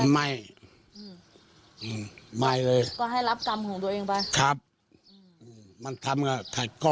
ไม่ไม่เลย